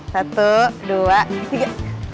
satu dua tiga